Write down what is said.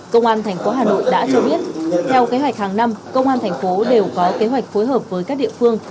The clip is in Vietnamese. công an thành phố hà nội đã cho biết theo kế hoạch hàng năm công an thành phố đều có kế hoạch phối hợp với các địa phương